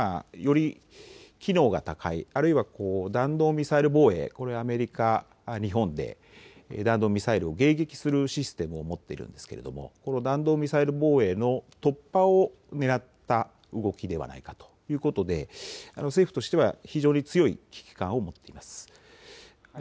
より機能が高い、あるいは弾道ミサイル防衛、これはアメリカ、日本で弾道ミサイルを迎撃するシステムを持っているんですけれども、この弾道ミサイル防衛の突破をねらった動きではないかということで政府としては非常に強い危機感を持っています。